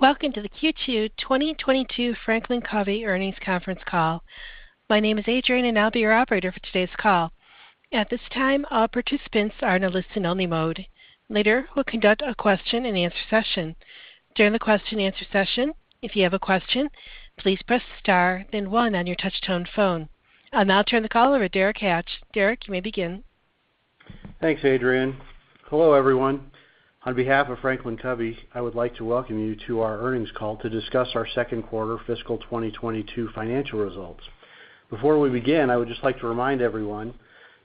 Welcome to the Q2 2022 FranklinCovey Earnings Conference Call. My name is Adrienne, and I'll be your operator for today's call. At this time, all participants are in a listen-only mode. Later, we'll conduct a question-and-answer session. During the question-and-answer session, if you have a question, please press star then one on your touch-tone phone. I'll now turn the call over to Derek Hatch. Derek, you may begin. Thanks, Adrienne. Hello, everyone. On behalf of FranklinCovey, I would like to welcome you to our earnings call to discuss our second quarter fiscal 2022 financial results. Before we begin, I would just like to remind everyone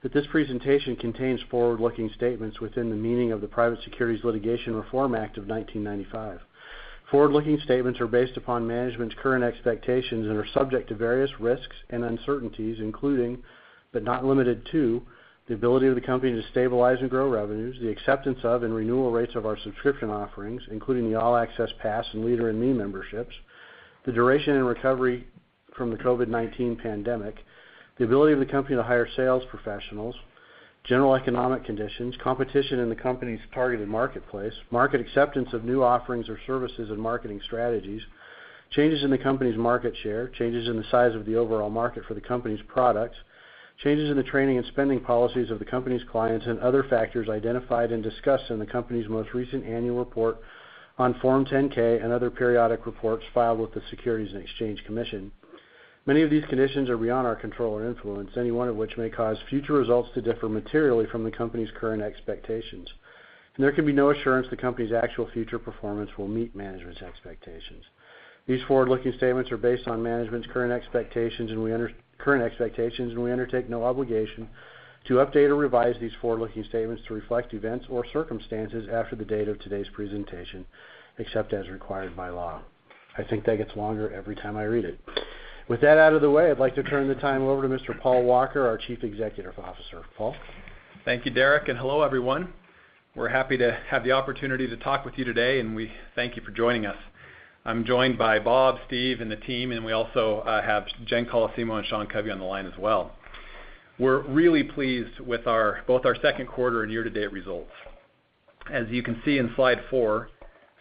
that this presentation contains forward-looking statements within the meaning of the Private Securities Litigation Reform Act of 1995. Forward-looking statements are based upon management's current expectations and are subject to various risks and uncertainties, including, but not limited to, the ability of the company to stabilize and grow revenues, the acceptance of and renewal rates of our subscription offerings, including the All Access Pass and Leader in Me memberships, the duration and recovery from the COVID-19 pandemic, the ability of the company to hire sales professionals, general economic conditions, competition in the company's targeted marketplace, market acceptance of new offerings or services and marketing strategies, changes in the company's market share, changes in the size of the overall market for the company's products, changes in the training and spending policies of the company's clients and other factors identified and discussed in the company's most recent annual report on Form 10-K and other periodic reports filed with the Securities and Exchange Commission. Many of these conditions are beyond our control or influence, any one of which may cause future results to differ materially from the company's current expectations, and there can be no assurance the company's actual future performance will meet management's expectations. These forward-looking statements are based on management's current expectations, and we undertake no obligation to update or revise these forward-looking statements to reflect events or circumstances after the date of today's presentation, except as required by law. I think that gets longer every time I read it. With that out of the way, I'd like to turn the time over to Mr. Paul Walker, our Chief Executive Officer. Paul? Thank you, Derek, and hello, everyone. We're happy to have the opportunity to talk with you today, and we thank you for joining us. I'm joined by Bob, Steve, and the team, and we also have Jen Colosimo and Sean Covey on the line as well. We're really pleased with both our second quarter and year-to-date results. As you can see in slide four,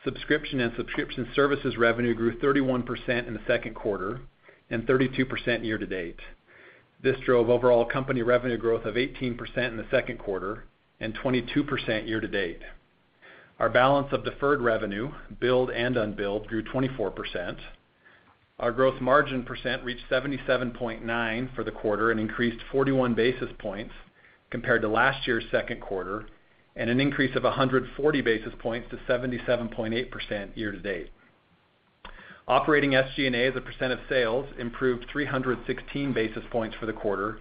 subscription and subscription services revenue grew 31% in the second quarter and 32% year to date. This drove overall company revenue growth of 18% in the second quarter and 22% year to date. Our balance of deferred revenue, billed and unbilled, grew 24%. Our gross margin percent reached 77.9% for the quarter and increased 41 basis points compared to last year's second quarter, and an increase of 140 basis points to 77.8% year to date. Operating SG&A as a percent of sales improved 316 basis points for the quarter,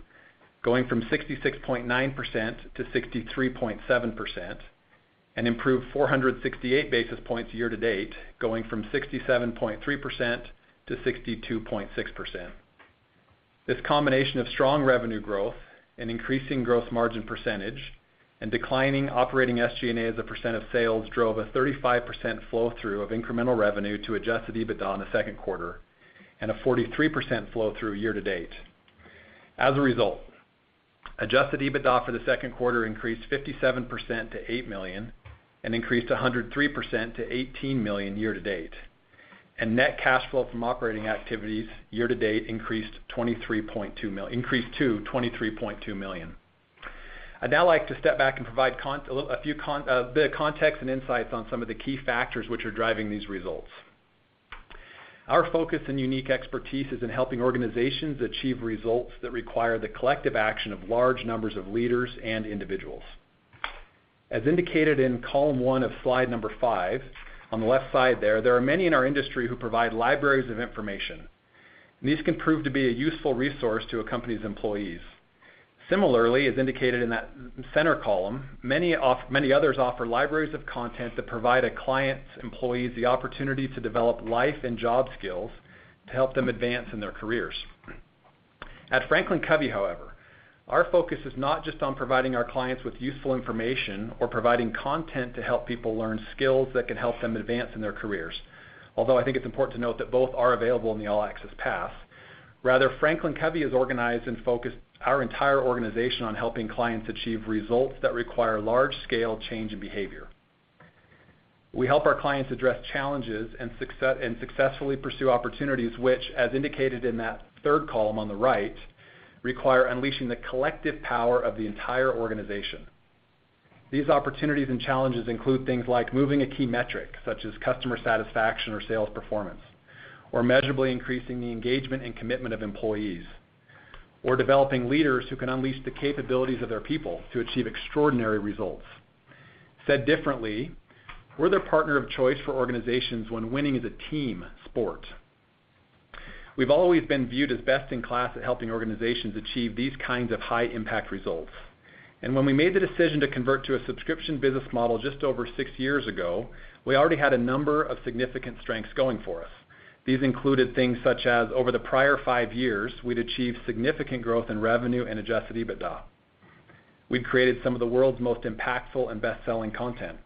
going from 66.9% to 63.7%, and improved 468 basis points year to date, going from 67.3% to 62.6%. This combination of strong revenue growth and increasing gross margin percentage and declining operating SG&A as a percent of sales drove a 35% flow through of incremental revenue to adjusted EBITDA in the second quarter and a 43% flow through year to date. As a result, adjusted EBITDA for the second quarter increased 57% to $8 million and increased 103% to $18 million year to date. Net cash flow from operating activities year to date increased to $23.2 million. I'd now like to step back and provide a bit of context and insights on some of the key factors which are driving these results. Our focus and unique expertise is in helping organizations achieve results that require the collective action of large numbers of leaders and individuals. As indicated in column one of slide five, on the left side there are many in our industry who provide libraries of information, and these can prove to be a useful resource to a company's employees. Similarly, as indicated in that center column, many others offer libraries of content that provide a client's employees the opportunity to develop life and job skills to help them advance in their careers. At FranklinCovey, however, our focus is not just on providing our clients with useful information or providing content to help people learn skills that can help them advance in their careers. Although I think it's important to note that both are available in the All Access Pass. Rather, FranklinCovey has organized and focused our entire organization on helping clients achieve results that require large-scale change in behavior. We help our clients address challenges and successfully pursue opportunities which, as indicated in that third column on the right, require unleashing the collective power of the entire organization. These opportunities and challenges include things like moving a key metric, such as customer satisfaction or sales performance, or measurably increasing the engagement and commitment of employees, or developing leaders who can unleash the capabilities of their people to achieve extraordinary results. Said differently, we're their partner of choice for organizations when winning is a team sport. We've always been viewed as best in class at helping organizations achieve these kinds of high impact results. When we made the decision to convert to a subscription business model just over six years ago, we already had a number of significant strengths going for us. These included things such as over the prior five years, we'd achieved significant growth in revenue and adjusted EBITDA. We'd created some of the world's most impactful and best-selling content.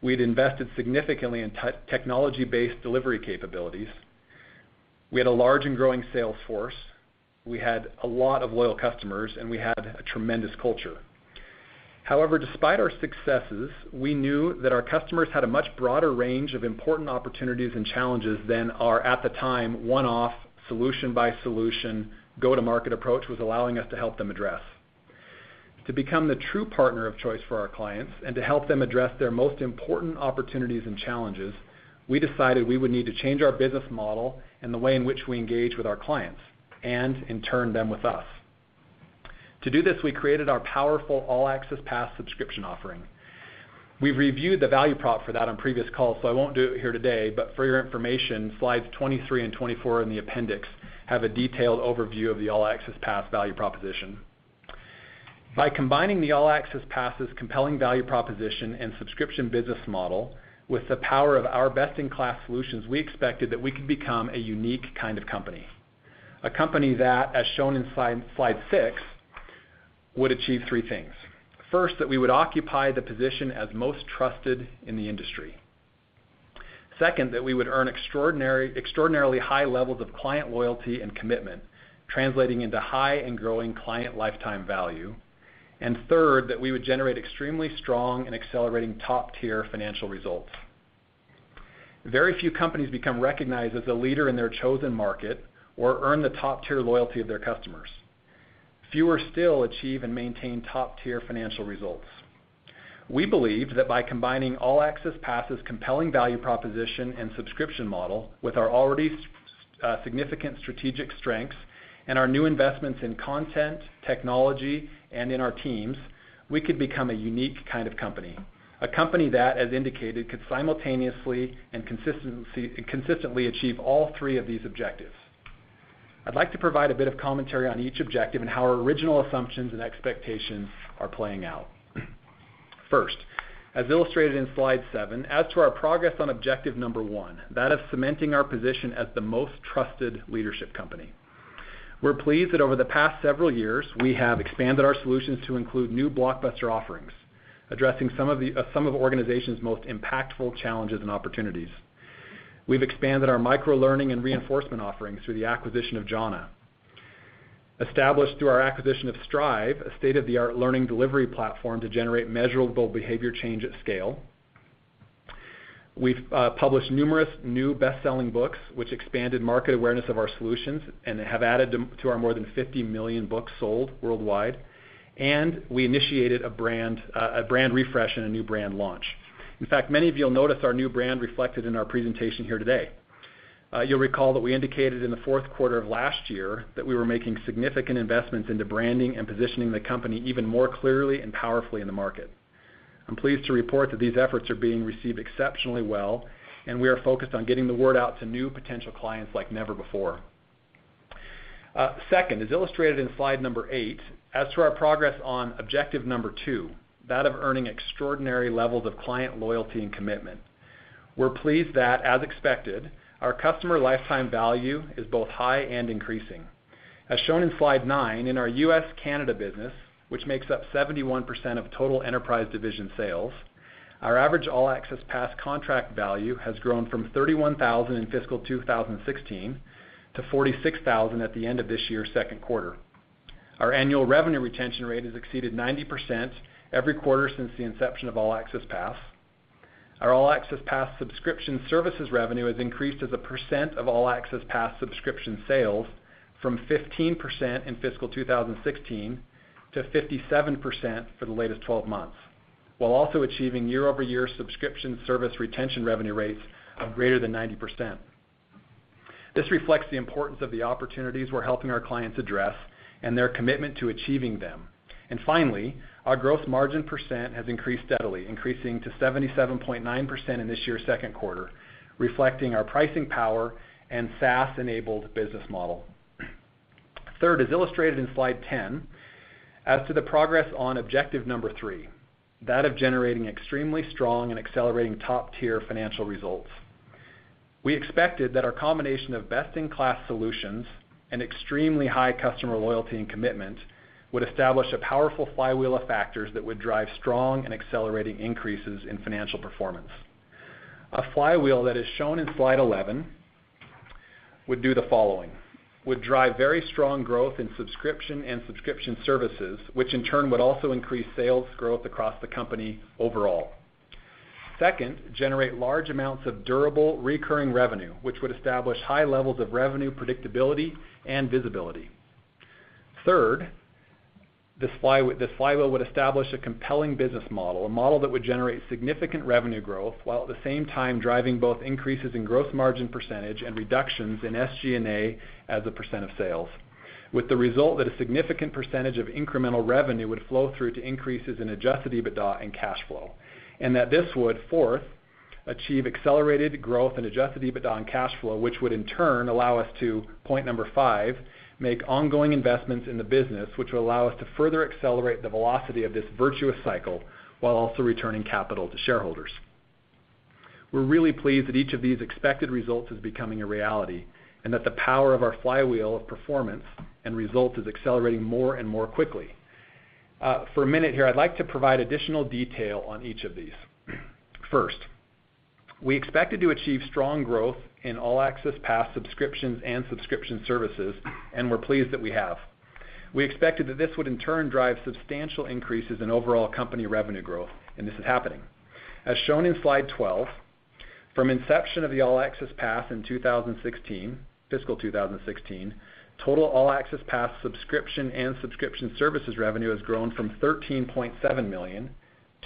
We'd invested significantly in technology-based delivery capabilities. We had a large and growing sales force, we had a lot of loyal customers, and we had a tremendous culture. However, despite our successes, we knew that our customers had a much broader range of important opportunities and challenges than our, at the time, one-off solution by solution go-to-market approach was allowing us to help them address. To become the true partner of choice for our clients and to help them address their most important opportunities and challenges, we decided we would need to change our business model and the way in which we engage with our clients, and in turn them with us. To do this, we created our powerful All Access Pass subscription offering. We've reviewed the value prop for that on previous calls, so I won't do it here today, but for your information, slides 23 and 24 in the appendix have a detailed overview of the All Access Pass value proposition. By combining the All Access Pass' compelling value proposition and subscription business model with the power of our best-in-class solutions, we expected that we could become a unique kind of company. A company that, as shown in slide six, would achieve three things. First, that we would occupy the position as most trusted in the industry. Second, that we would earn extraordinarily high levels of client loyalty and commitment, translating into high and growing client lifetime value. Third, that we would generate extremely strong and accelerating top-tier financial results. Very few companies become recognized as a leader in their chosen market or earn the top-tier loyalty of their customers. Fewer still achieve and maintain top-tier financial results. We believe that by combining All Access Pass' compelling value proposition and subscription model with our already significant strategic strengths and our new investments in content, technology, and in our teams, we could become a unique kind of company, a company that, as indicated, could simultaneously and consistently achieve all three of these objectives. I'd like to provide a bit of commentary on each objective and how our original assumptions and expectations are playing out. First, as illustrated in slide seven, as to our progress on objective number one, that of cementing our position as the most trusted leadership company. We're pleased that over the past several years, we have expanded our solutions to include new blockbuster offerings, addressing some of the organization's most impactful challenges and opportunities. We've expanded our microlearning and reinforcement offerings through the acquisition of Jhana. Established through our acquisition of Strive, a state-of-the-art learning delivery platform to generate measurable behavior change at scale. We've published numerous new best-selling books which expanded market awareness of our solutions and have added them to our more than 50 million books sold worldwide, and we initiated a brand refresh and a new brand launch. In fact, many of you'll notice our new brand reflected in our presentation here today. You'll recall that we indicated in the fourth quarter of last year that we were making significant investments into branding and positioning the company even more clearly and powerfully in the market. I'm pleased to report that these efforts are being received exceptionally well, and we are focused on getting the word out to new potential clients like never before. Second, as illustrated in slide eight, as to our progress on objective two, that of earning extraordinary levels of client loyalty and commitment. We're pleased that, as expected, our customer lifetime value is both high and increasing. As shown in slide nine, in our U.S.-Canada business, which makes up 71% of total Enterprise Division sales, our average All Access Pass contract value has grown from $31,000 in fiscal 2016 to $46,000 at the end of this year's second quarter. Our annual revenue retention rate has exceeded 90% every quarter since the inception of All Access Pass. Our All Access Pass subscription services revenue has increased as a percent of All Access Pass subscription sales from 15% in fiscal 2016 to 57% for the latest 12 months, while also achieving year-over-year subscription service retention revenue rates of greater than 90%. This reflects the importance of the opportunities we're helping our clients address and their commitment to achieving them. Finally, our growth margin percent has increased steadily, increasing to 77.9% in this year's second quarter, reflecting our pricing power and SaaS-enabled business model. Third, as illustrated in slide 10, as to the progress on objective number three, that of generating extremely strong and accelerating top-tier financial results. We expected that our combination of best-in-class solutions and extremely high customer loyalty and commitment would establish a powerful flywheel of factors that would drive strong and accelerating increases in financial performance. A flywheel that is shown in slide 11 would do the following, would drive very strong growth in subscription and subscription services, which in turn would also increase sales growth across the company overall. Second, generate large amounts of durable recurring revenue, which would establish high levels of revenue predictability and visibility. Third, this flywheel would establish a compelling business model, a model that would generate significant revenue growth, while at the same time driving both increases in gross margin percentage and reductions in SG&A as a percent of sales, with the result that a significant percentage of incremental revenue would flow through to increases in adjusted EBITDA and cash flow. That this would, fourth, achieve accelerated growth in adjusted EBITDA and cash flow, which would in turn allow us to, point number five, make ongoing investments in the business, which will allow us to further accelerate the velocity of this virtuous cycle while also returning capital to shareholders. We're really pleased that each of these expected results is becoming a reality, and that the power of our flywheel of performance and result is accelerating more and more quickly. For a minute here, I'd like to provide additional detail on each of these. First, we expected to achieve strong growth in All Access Pass subscriptions and subscription services, and we're pleased that we have. We expected that this would, in turn, drive substantial increases in overall company revenue growth, and this is happening. As shown in slide 12, from inception of the All Access Pass in 2016, fiscal 2016, total All Access Pass subscription and subscription services revenue has grown from $13.7 million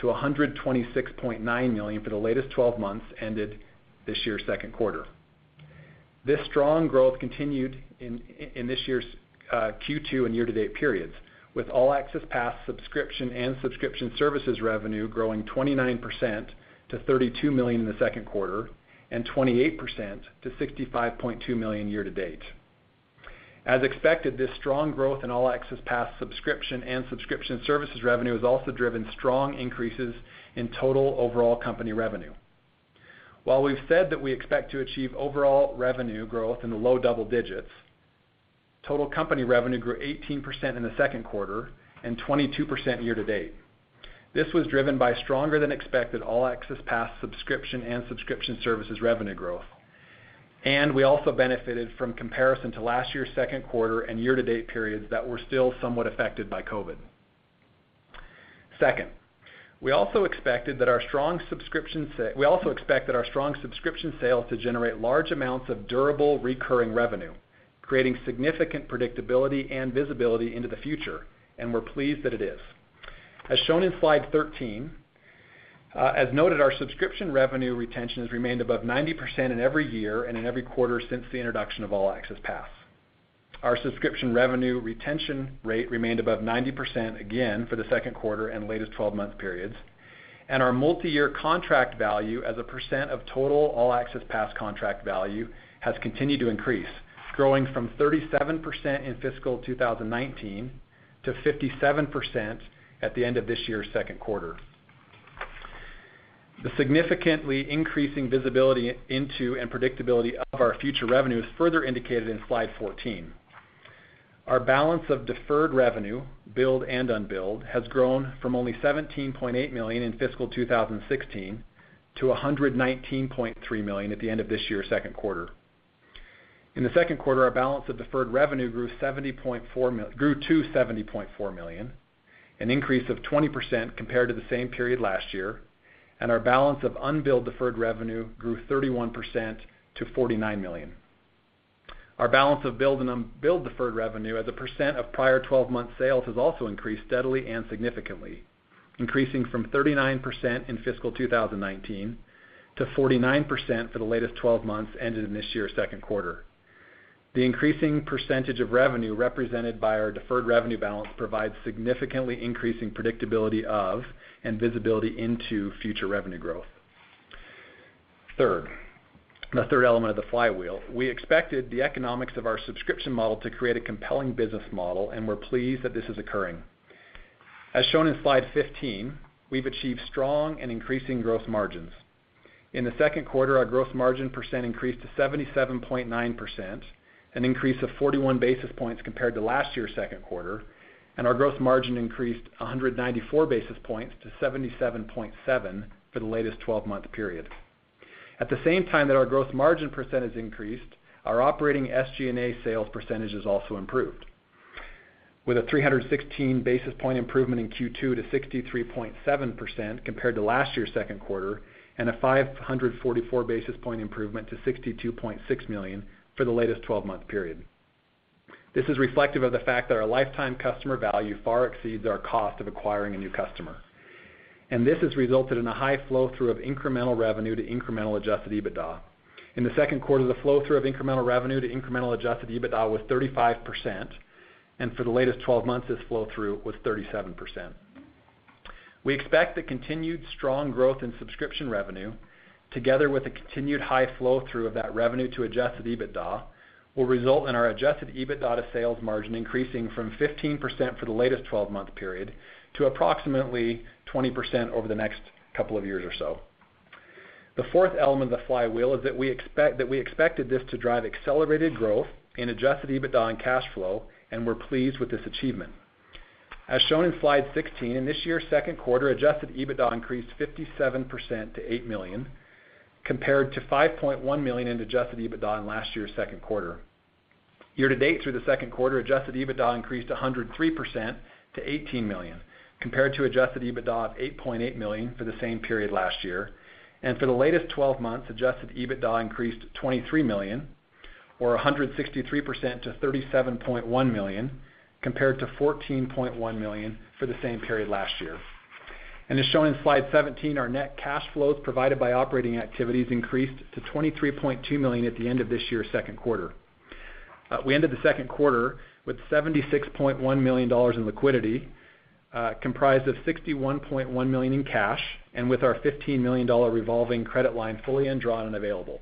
to $126.9 million for the latest 12 months ended this year's second quarter. This strong growth continued in this year's Q2 and year-to-date periods, with All Access Pass subscription and subscription services revenue growing 29% to $32 million in the second quarter and 28% to $65.2 million year to date. As expected, this strong growth in All Access Pass subscription and subscription services revenue has also driven strong increases in total overall company revenue. While we've said that we expect to achieve overall revenue growth in the low double digits, total company revenue grew 18% in the second quarter and 22% year-to-date. This was driven by stronger than expected All Access Pass subscription and subscription services revenue growth. We also benefited from comparison to last year's second quarter and year-to-date periods that were still somewhat affected by COVID. Second, we also expected that our strong subscription sales to generate large amounts of durable recurring revenue, creating significant predictability and visibility into the future, and we're pleased that it is. As shown in slide 13, as noted, our subscription revenue retention has remained above 90% in every year and in every quarter since the introduction of All Access Pass. Our subscription revenue retention rate remained above 90% again for the second quarter and latest 12-month periods, and our multiyear contract value as a percent of total All Access Pass contract value has continued to increase, growing from 37% in fiscal 2019 to 57% at the end of this year's second quarter. The significantly increasing visibility into and predictability of our future revenue is further indicated in slide 14. Our balance of deferred revenue, billed and unbilled, has grown from only $17.8 million in fiscal 2016 to $119.3 million at the end of this year's second quarter. In the second quarter, our balance of deferred revenue grew to $70.4 million, an increase of 20% compared to the same period last year, and our balance of unbilled deferred revenue grew 31% to $49 million. Our balance of billed and unbilled deferred revenue as a percent of prior 12 months sales has also increased steadily and significantly, increasing from 39% in fiscal 2019 to 49% for the latest 12 months ended in this year's second quarter. The increasing percentage of revenue represented by our deferred revenue balance provides significantly increasing predictability of and visibility into future revenue growth. Third, the third element of the flywheel, we expected the economics of our subscription model to create a compelling business model, and we're pleased that this is occurring. As shown in slide 15, we've achieved strong and increasing gross margins. In the second quarter, our gross margin percent increased to 77.9%, an increase of 41 basis points compared to last year's second quarter, and our gross margin increased 194 basis points to 77.7% for the latest twelve-month period. At the same time that our gross margin percent has increased, our operating SG&A sales percentage has also improved with a 316 basis point improvement in Q2 to 63.7% compared to last year's second quarter and a 544 basis point improvement to 62.6% for the latest twelve-month period. This is reflective of the fact that our lifetime customer value far exceeds our cost of acquiring a new customer, and this has resulted in a high flow-through of incremental revenue to incremental adjusted EBITDA. In the second quarter, the flow-through of incremental revenue to incremental adjusted EBITDA was 35%, and for the latest twelve months, this flow-through was 37%. We expect the continued strong growth in subscription revenue, together with a continued high flow-through of that revenue to adjusted EBITDA, will result in our adjusted EBITDA to sales margin increasing from 15% for the latest twelve-month period to approximately 20% over the next couple of years or so. The fourth element of the flywheel is that we expected this to drive accelerated growth in adjusted EBITDA and cash flow, and we're pleased with this achievement. As shown in slide 16, in this year's second quarter, adjusted EBITDA increased 57% to $8 million compared to $5.1 million in adjusted EBITDA in last year's second quarter. Year to date through the second quarter, adjusted EBITDA increased 103% to $18 million compared to adjusted EBITDA of $8.8 million for the same period last year. For the latest twelve months, adjusted EBITDA increased to $23 million or 163% to $37.1 million compared to $14.1 million for the same period last year. As shown in slide 17, our net cash flows provided by operating activities increased to $23.2 million at the end of this year's second quarter. We ended the second quarter with $76.1 million in liquidity, comprised of $61.1 million in cash and with our $15 million revolving credit line fully undrawn and available.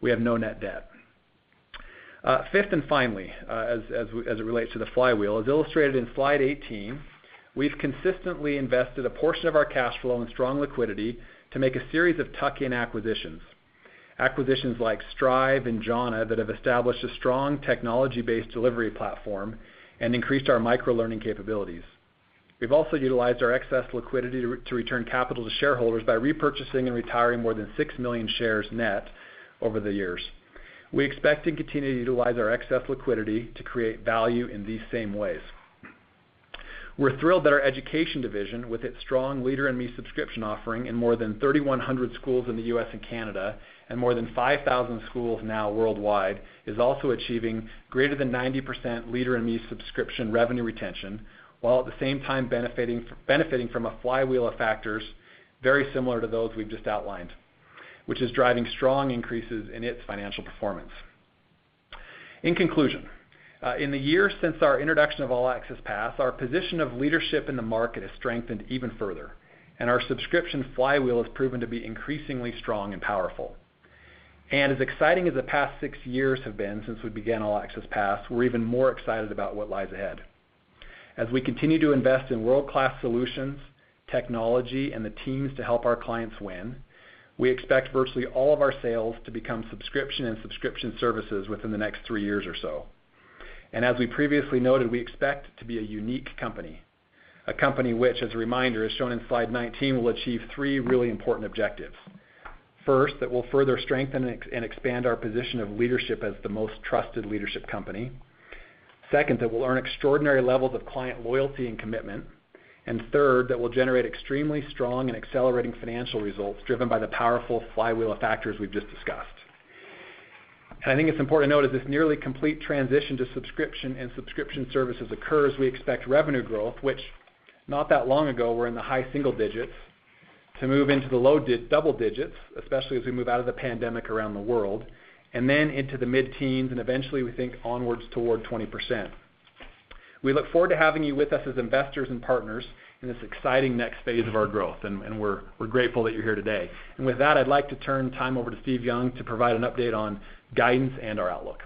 We have no net debt. Fifth and finally, as it relates to the flywheel, as illustrated in slide 18, we've consistently invested a portion of our cash flow and strong liquidity to make a series of tuck-in acquisitions. Acquisitions like Strive and Jhana that have established a strong technology-based delivery platform and increased our micro-learning capabilities. We've also utilized our excess liquidity to return capital to shareholders by repurchasing and retiring more than 6 million shares net over the years. We expect to continue to utilize our excess liquidity to create value in these same ways. We're thrilled that our Education Division, with its strong Leader in Me subscription offering in more than 3,100 schools in the U.S. and Canada, and more than 5,000 schools now worldwide, is also achieving greater than 90% Leader in Me subscription revenue retention, while at the same time benefiting from a flywheel of factors very similar to those we've just outlined, which is driving strong increases in its financial performance. In conclusion, in the years since our introduction of All Access Pass, our position of leadership in the market has strengthened even further, and our subscription flywheel has proven to be increasingly strong and powerful. As exciting as the past six years have been since we began All Access Pass, we're even more excited about what lies ahead. As we continue to invest in world-class solutions, technology, and the teams to help our clients win, we expect virtually all of our sales to become subscription and subscription services within the next three years or so. As we previously noted, we expect to be a unique company, a company which, as a reminder, as shown in slide 19, will achieve three really important objectives. First, that we'll further strengthen and expand our position of leadership as the most trusted leadership company. Second, that we'll earn extraordinary levels of client loyalty and commitment. Third, that we'll generate extremely strong and accelerating financial results driven by the powerful flywheel of factors we've just discussed. I think it's important to note as this nearly complete transition to subscription and subscription services occurs, we expect revenue growth, which not that long ago were in the high single digits, to move into the low double digits, especially as we move out of the pandemic around the world, and then into the mid-teens, and eventually, we think onwards toward 20%. We look forward to having you with us as investors and partners in this exciting next phase of our growth, and we're grateful that you're here today. With that, I'd like to turn time over to Steve Young to provide an update on guidance and our outlook.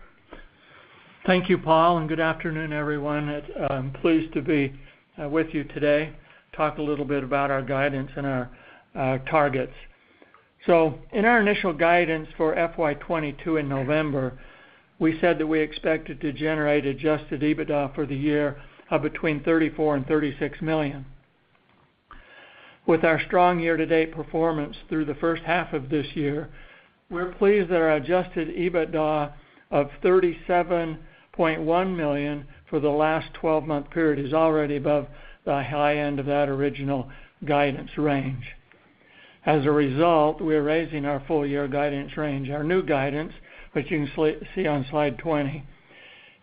Thank you, Paul, and good afternoon, everyone. I'm pleased to be with you today to talk a little bit about our guidance and our targets. In our initial guidance for FY 2022 in November, we said that we expected to generate adjusted EBITDA for the year of between $34 million and $36 million. With our strong year-to-date performance through the first half of this year, we're pleased that our adjusted EBITDA of $37.1 million for the last twelve-month period is already above the high end of that original guidance range. As a result, we're raising our full year guidance range. Our new guidance, which you can see on slide 20,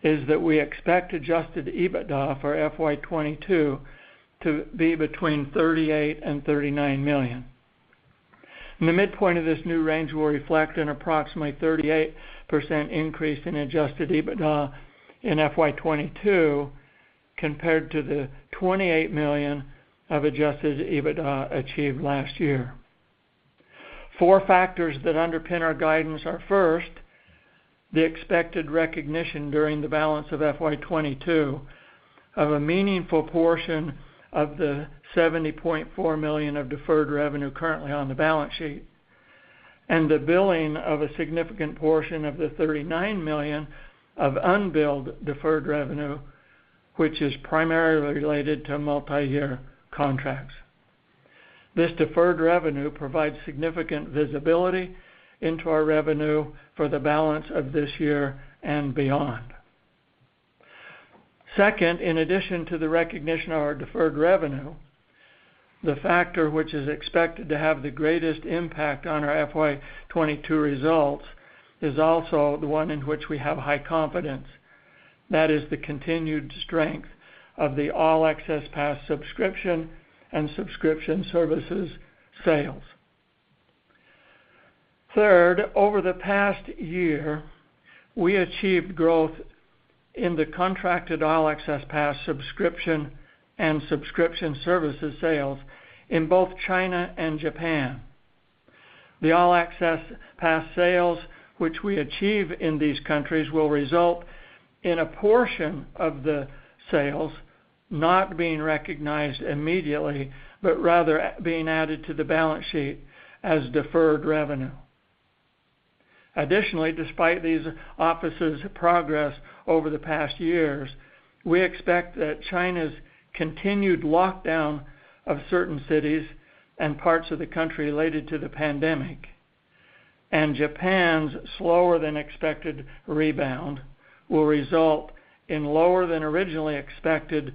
is that we expect adjusted EBITDA for FY 2022 to be between $38 million and $39 million. The midpoint of this new range will reflect an approximately 38% increase in adjusted EBITDA in FY 2022 compared to the $28 million of adjusted EBITDA achieved last year. Four factors that underpin our guidance are, first, the expected recognition during the balance of FY 2022 of a meaningful portion of the $70.4 million of deferred revenue currently on the balance sheet, and the billing of a significant portion of the $39 million of unbilled deferred revenue, which is primarily related to multiyear contracts. This deferred revenue provides significant visibility into our revenue for the balance of this year and beyond. Second, in addition to the recognition of our deferred revenue, the factor which is expected to have the greatest impact on our FY 2022 results is also the one in which we have high confidence. That is the continued strength of the All Access Pass subscription and subscription services sales. Third, over the past year, we achieved growth in the contracted All Access Pass subscription and subscription services sales in both China and Japan. The All Access Pass sales which we achieve in these countries will result in a portion of the sales not being recognized immediately, but rather being added to the balance sheet as deferred revenue. Additionally, despite these offices' progress over the past years, we expect that China's continued lockdown of certain cities and parts of the country related to the pandemic, and Japan's slower than expected rebound will result in lower than originally expected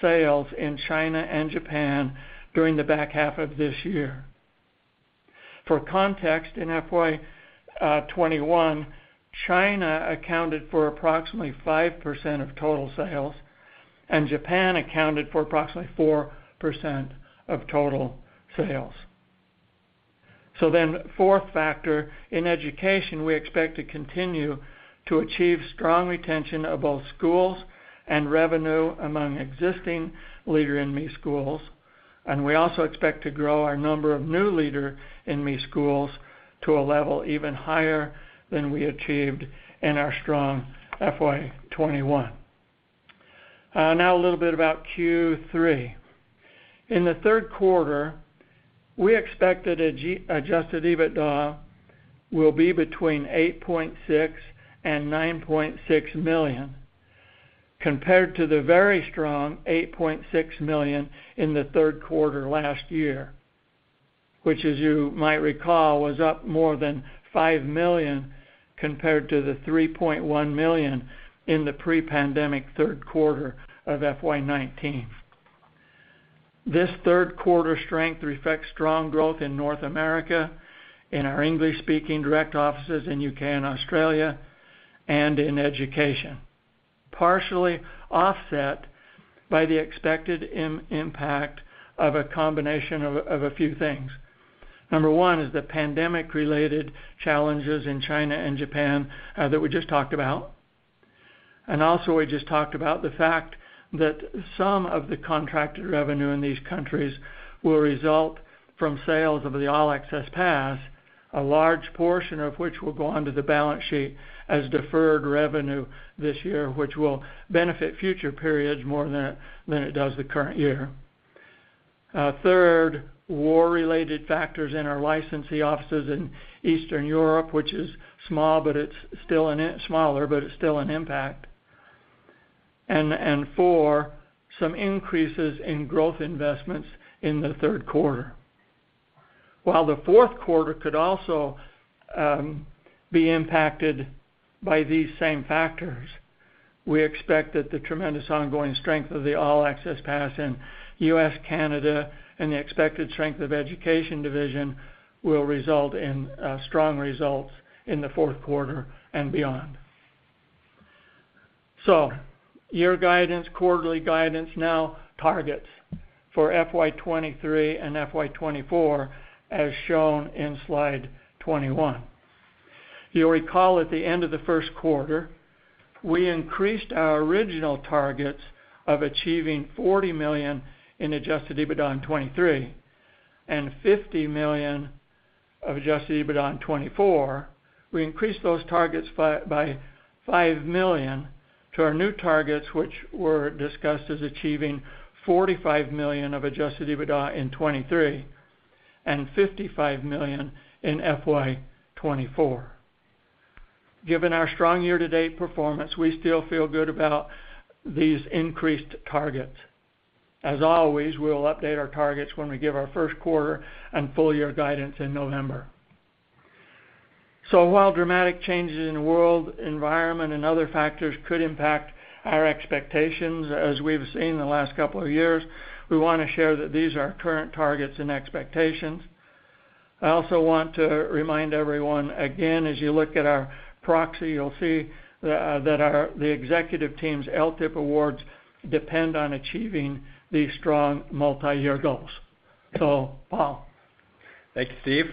sales in China and Japan during the back half of this year. For context, in FY 2021, China accounted for approximately 5% of total sales, and Japan accounted for approximately 4% of total sales. Fourth factor, in education, we expect to continue to achieve strong retention of both schools and revenue among existing Leader in Me schools, and we also expect to grow our number of new Leader in Me schools to a level even higher than we achieved in our strong FY 2021. Now a little bit about Q3. In the third quarter, we expected adjusted EBITDA will be between $8.6 million-$9.6 million, compared to the very strong $8.6 million in the third quarter last year, which as you might recall, was up more than $5 million compared to the $3.1 million in the pre-pandemic third quarter of FY 2019. This third quarter strength reflects strong growth in North America, in our English-speaking direct offices in the U.K. and Australia, and in education, partially offset by the expected impact of a combination of a few things. Number one is the pandemic-related challenges in China and Japan that we just talked about. Also we just talked about the fact that some of the contracted revenue in these countries will result from sales of the All Access Pass, a large portion of which will go onto the balance sheet as deferred revenue this year, which will benefit future periods more than it does the current year. Third, war-related factors in our licensee offices in Eastern Europe, which is small, but it's still an impact. Four, some increases in growth investments in the third quarter. While the fourth quarter could also be impacted by these same factors, we expect that the tremendous ongoing strength of the All Access Pass in U.S., Canada, and the expected strength of Education Division will result in strong results in the fourth quarter and beyond. Year guidance, quarterly guidance, now targets for FY 2023 and FY 2024, as shown in slide 21. You'll recall at the end of the first quarter, we increased our original targets of achieving $40 million in adjusted EBITDA in 2023 and $50 million of adjusted EBITDA in 2024. We increased those targets by $5 million to our new targets, which were discussed as achieving $45 million of adjusted EBITDA in 2023 and $55 million in FY 2024. Given our strong year-to-date performance, we still feel good about these increased targets. As always, we'll update our targets when we give our first quarter and full year guidance in November. While dramatic changes in world environment and other factors could impact our expectations, as we've seen in the last couple of years, we wanna share that these are our current targets and expectations. I also want to remind everyone, again, as you look at our proxy, you'll see that the executive team's LTIP awards depend on achieving these strong multiyear goals. Paul. Thank you, Steve.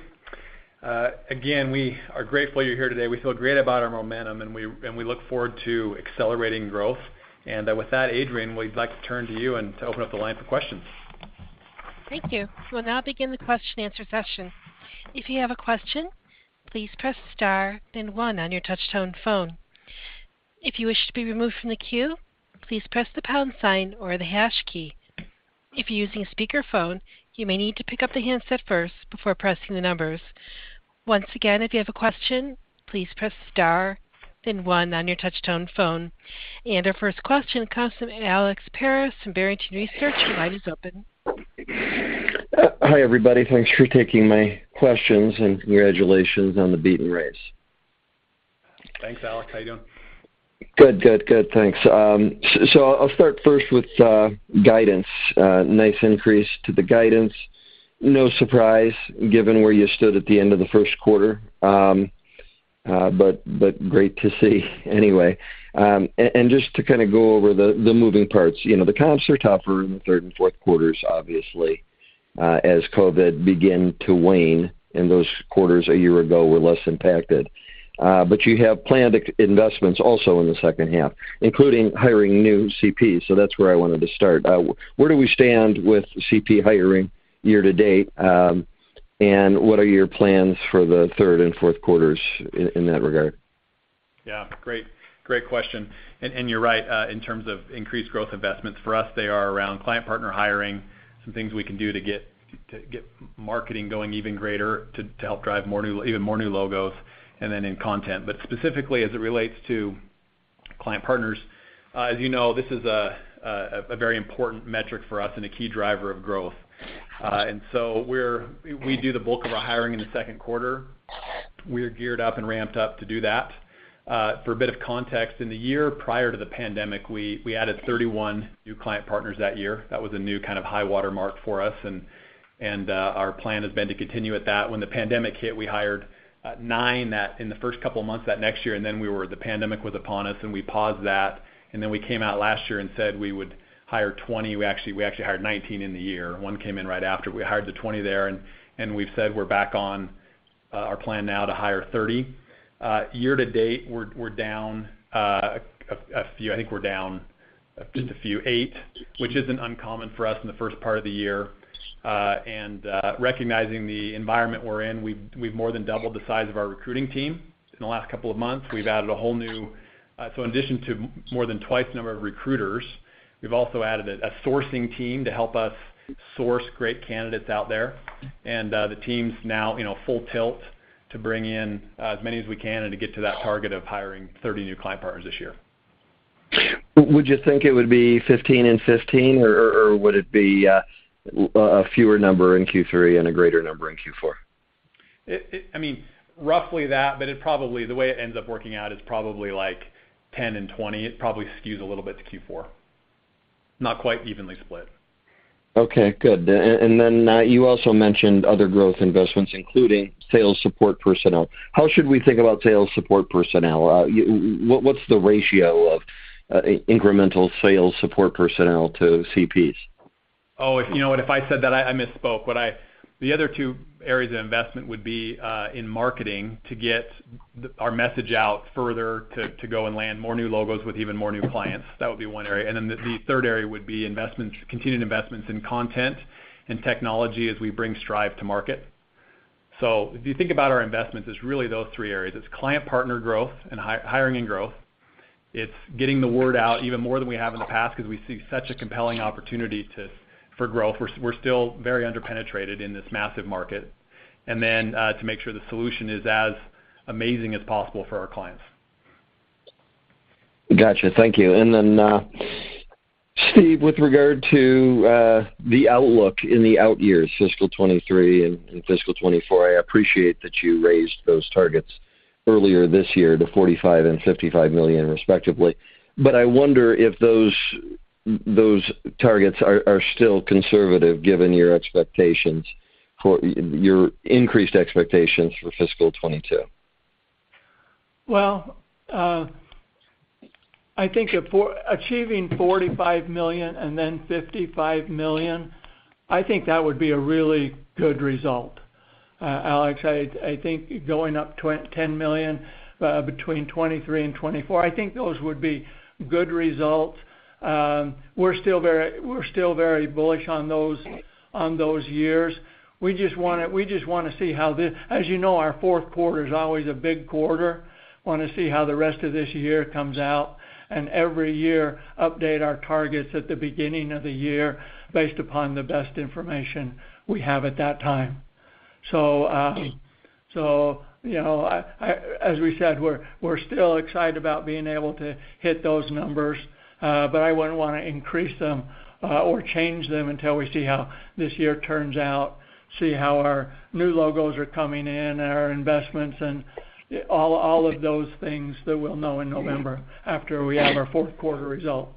Again, we are grateful you're here today. We feel great about our momentum, and we look forward to accelerating growth. With that, Adrianne, we'd like to turn to you and to open up the line for questions. Thank you. We'll now begin the question and answer session. If you have a question, please press star then one on your touchtone phone. If you wish to be removed from the queue, please press the pound sign or the hash key. If you're using a speakerphone, you may need to pick up the handset first before pressing the numbers. Once again, if you have a question, please press star then one on your touchtone phone. Our first question comes from Alex Paris from Barrington Research. Your line is open. Hi, everybody. Thanks for taking my questions, and congratulations on the beat and raise. Thanks, Alex. How you doing? Good. Thanks. I'll start first with guidance. Nice increase to the guidance. No surprise given where you stood at the end of the first quarter. Great to see anyway. Just to kinda go over the moving parts, you know, the comps are tougher in the third and fourth quarters, obviously, as COVID began to wane, and those quarters a year ago were less impacted. You have planned capex investments also in the second half, including hiring new CPs. That's where I wanted to start. Where do we stand with CP hiring year to date, and what are your plans for the third and fourth quarters in that regard? Yeah. Great question. You're right in terms of increased growth investments. For us, they are around client partner hiring, some things we can do to get marketing going even greater, to help drive even more new logos, and then in content. But specifically as it relates to client partners, as you know, this is a very important metric for us and a key driver of growth. We do the bulk of our hiring in the second quarter. We are geared up and ramped up to do that. For a bit of context, in the year prior to the pandemic, we added 31 new client partners that year. That was a new kind of high water mark for us, our plan has been to continue at that. When the pandemic hit, we hired nine in the first couple of months that next year, and then the pandemic was upon us and we paused that. We came out last year and said we would hire 20.We actually hired 19 in the year. One came in right after. We hired the 20 there and we've said we're back on our plan now to hire 30. Year to date, we're down a few. I think we're down just a few, eight, which isn't uncommon for us in the first part of the year. Recognizing the environment we're in, we've more than doubled the size of our recruiting team in the last couple of months. We've added a whole new, in addition to more than twice the number of recruiters, we've also added a sourcing team to help us source great candidates out there. The team's now, you know, full tilt to bring in as many as we can and to get to that target of hiring 30 new client partners this year. Would you think it would be 15 and 15, or would it be a fewer number in Q3 and a greater number in Q4? I mean, roughly that, but it probably, the way it ends up working out is probably like 10 and 20. It probably skews a little bit to Q4. Not quite evenly split. Okay, good. Then you also mentioned other growth investments, including sales support personnel. How should we think about sales support personnel? What’s the ratio of incremental sales support personnel to CPs? Oh, you know what? If I said that, I misspoke. The other two areas of investment would be in marketing to get our message out further to go and land more new logos with even more new clients. That would be one area. The third area would be investments, continued investments in content and technology as we bring Strive to market. If you think about our investments, it's really those three areas. It's client partner growth and hiring and growth. It's getting the word out even more than we have in the past because we see such a compelling opportunity for growth. We're still very under-penetrated in this massive market. To make sure the solution is as amazing as possible for our clients. Gotcha. Thank you. Then, Steve, with regard to the outlook in the out years, fiscal 2023 and fiscal 2024, I appreciate that you raised those targets earlier this year to $45 million and $55 million respectively. I wonder if those targets are still conservative given your increased expectations for fiscal 2022. Well, I think if we're achieving $45 million and then $55 million, I think that would be a really good result, Alex. I think going up $10 million between 2023 and 2024, I think those would be good results. We're still very bullish on those years. We just wanna see how this. As you know, our fourth quarter is always a big quarter. Wanna see how the rest of this year comes out, and every year, update our targets at the beginning of the year based upon the best information we have at that time. As we said, we're still excited about being able to hit those numbers, but I wouldn't wanna increase them or change them until we see how this year turns out, see how our new logos are coming in and our investments and all of those things that we'll know in November after we have our fourth quarter result.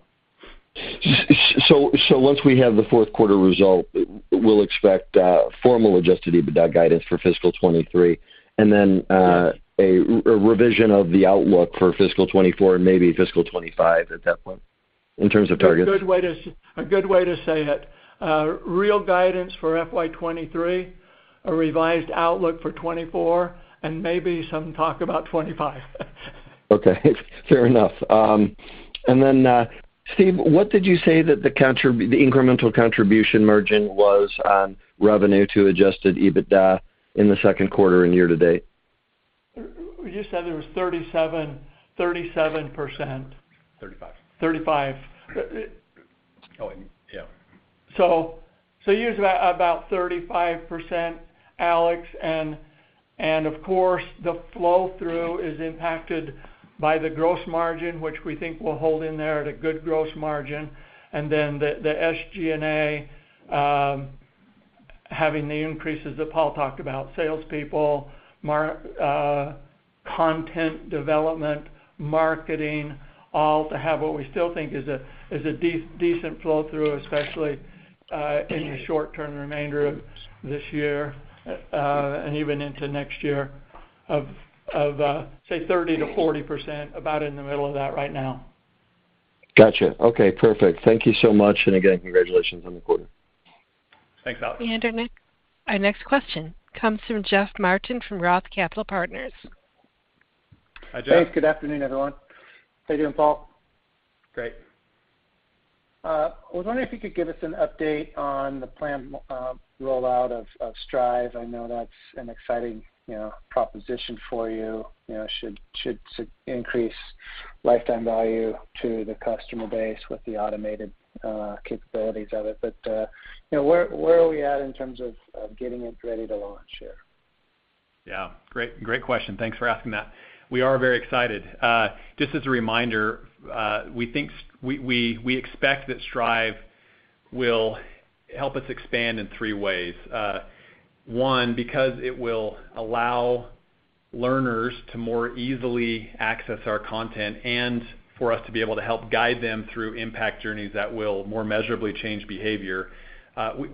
Once we have the fourth quarter result, we'll expect formal adjusted EBITDA guidance for fiscal 2023, and then a revision of the outlook for fiscal 2024 and maybe fiscal 2025 at that point in terms of targets? A good way to say it. Real guidance for FY 2023, a revised outlook for 2024, and maybe some talk about 2025. Okay. Fair enough. Steve, what did you say that the incremental contribution margin was on revenue to adjusted EBITDA in the second quarter and year-to-date? We just said it was 37%. 35%. 35%. Oh, yeah. Here's about 35%, Alex. Of course, the flow-through is impacted by the gross margin, which we think will hold in there at a good gross margin. The SG&A having the increases that Paul talked about, salespeople, content development, marketing, all to have what we still think is a decent flow-through, especially in the short-term remainder of this year and even into next year of say 30%-40%, about in the middle of that right now. Gotcha. Okay, perfect. Thank you so much. Again, congratulations on the quarter. Thanks, Alex. Our next question comes from Jeff Martin from Roth Capital Partners. Hi, Jeff. Thanks. Good afternoon, everyone. How you doing, Paul? Great. I was wondering if you could give us an update on the planned rollout of Strive. I know that's an exciting, you know, proposition for you. You know, should increase lifetime value to the customer base with the automated capabilities of it. You know, where are we at in terms of getting it ready to launch here? Yeah. Great question. Thanks for asking that. We are very excited. Just as a reminder, we expect that Strive will help us expand in three ways. One, because it will allow learners to more easily access our content and for us to be able to help guide them through impact journeys that will more measurably change behavior,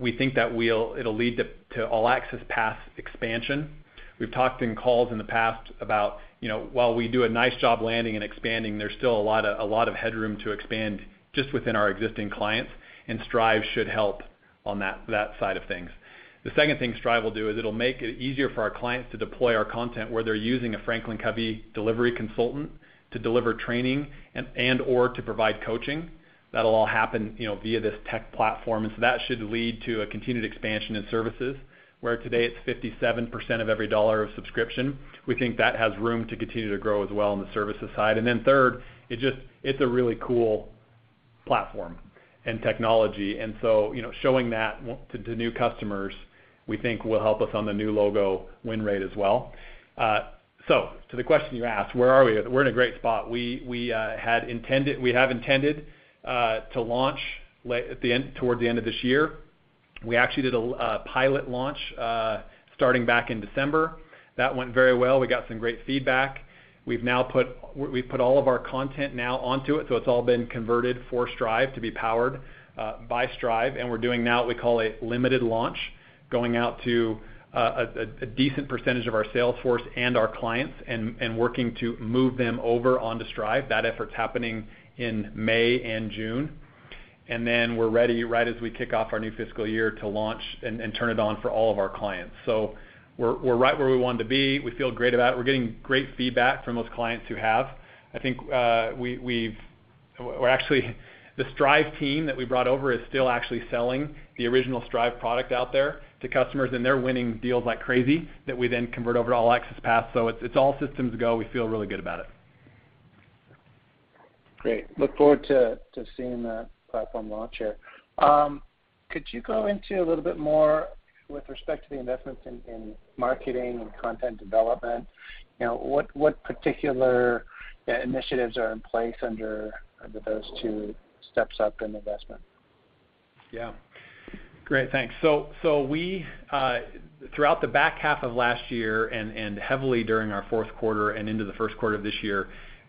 we think that it'll lead to All Access Pass expansion. We've talked in calls in the past about, you know, while we do a nice job landing and expanding, there's still a lot of headroom to expand just within our existing clients, and Strive should help on that side of things. The second thing Strive will do is it'll make it easier for our clients to deploy our content where they're using a FranklinCovey delivery consultant to deliver training and or to provide coaching. That'll all happen, you know, via this tech platform. That should lead to a continued expansion in services, where today it's 57% of every dollar of subscription. We think that has room to continue to grow as well on the services side. Third, it just is a really cool platform and technology. You know, showing that to new customers, we think will help us on the new logo win rate as well. To the question you asked, where are we? We're in a great spot. We have intended to launch toward the end of this year. We actually did a pilot launch starting back in December. That went very well. We got some great feedback. We've put all of our content now onto it, so it's all been converted for Strive to be powered by Strive. We're doing now what we call a limited launch, going out to a decent percentage of our sales force and our clients and working to move them over onto Strive. That effort's happening in May and June. We're ready, right as we kick off our new fiscal year, to launch and turn it on for all of our clients. We're right where we want to be. We feel great about it. We're getting great feedback from those clients who have. I think, or actually, the Strive team that we brought over is still actually selling the original Strive product out there to customers, and they're winning deals like crazy that we then convert over to All Access Pass. It's all systems go. We feel really good about it. Great. Look forward to seeing the platform launch here. Could you go into a little bit more with respect to the investments in marketing and content development? You know, what particular initiatives are in place under those two steps up in investment? Yeah. Great, thanks. We throughout the back half of last year and heavily during our fourth quarter and into the first quarter of this year,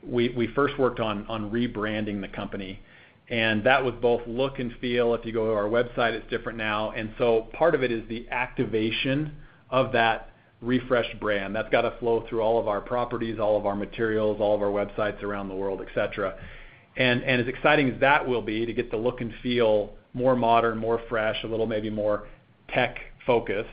we first worked on rebranding the company, and that was both look and feel. If you go to our website, it's different now. Part of it is the activation of that refreshed brand. That's gotta flow through all of our properties, all of our materials, all of our websites around the world, et cetera. As exciting as that will be to get the look and feel more modern, more fresh, a little maybe more tech-focused,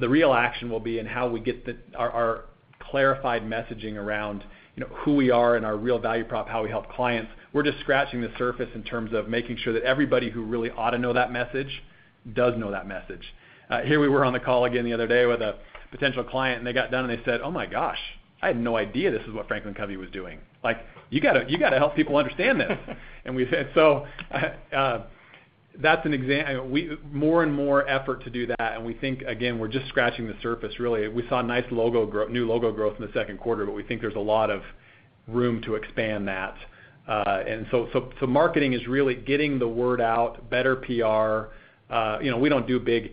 the real action will be in how we get our clarified messaging around, you know, who we are and our real value prop, how we help clients. We're just scratching the surface in terms of making sure that everybody who really ought to know that message does know that message. Here we were on the call again the other day with a potential client, and they got done, and they said, "Oh my gosh, I had no idea this is what FranklinCovey was doing. Like, you gotta help people understand this." We said that's an example. You know, more and more effort to do that, and we think, again, we're just scratching the surface really. We saw nice new logo growth in the second quarter, but we think there's a lot of room to expand that. Marketing is really getting the word out, better PR. You know, we don't go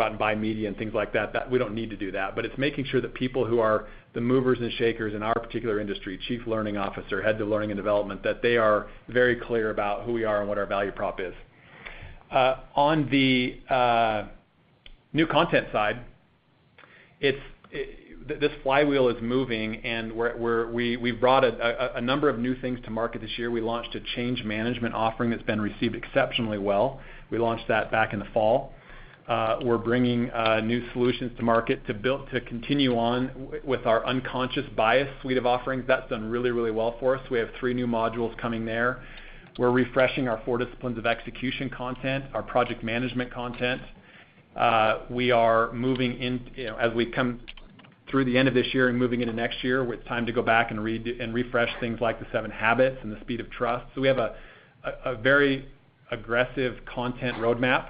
out and buy media and things like that. That we don't need to do that. It's making sure that people who are the movers and shakers in our particular industry, chief learning officer, head of learning and development, that they are very clear about who we are and what our value prop is. On the new content side, it's this flywheel is moving, and we've brought a number of new things to market this year. We launched a change management offering that's been received exceptionally well. We launched that back in the fall. We're bringing new solutions to market to continue on with our unconscious bias suite of offerings. That's done really, really well for us. We have three new modules coming there. We're refreshing our 4 Disciplines of Execution content, our project management content. We are moving in, you know, as we come through the end of this year and moving into next year, with time to go back and refresh things like the 7 Habits and the Speed of Trust. We have a very aggressive content roadmap.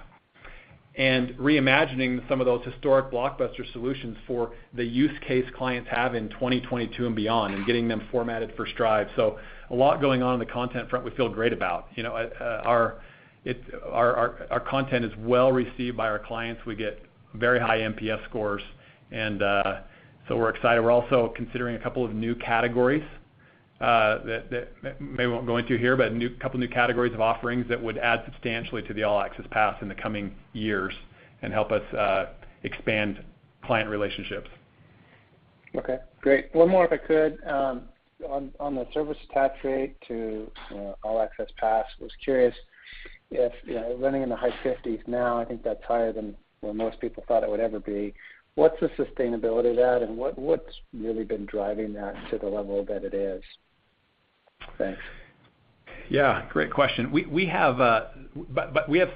Reimagining some of those historic blockbuster solutions for the use case clients have in 2022 and beyond and getting them formatted for Strive. A lot going on in the content front we feel great about. You know, our content is well received by our clients. We get very high NPS scores, and so we're excited. We're also considering a couple of new categories that maybe I won't go into here, but couple new categories of offerings that would add substantially to the All Access Pass in the coming years and help us expand client relationships. Okay, great. One more if I could. On the service attach rate to, you know, All Access Pass, I was curious if, you know, running in the high 50s% now, I think that's higher than where most people thought it would ever be. What's the sustainability of that, and what's really been driving that to the level that it is? Thanks. Yeah, great question. We have